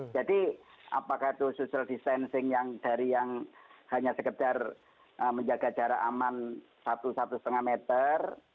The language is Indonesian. jadi apakah itu social distancing yang dari yang hanya sekedar menjaga jarak aman satu satu lima meter